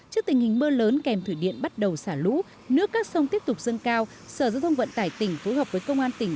trước tình hình mưa lớn kèm thủy điện bắt đầu xả lũ nước các sông tiếp tục dâng cao sở giao thông vận tải tỉnh phối hợp với công an tỉnh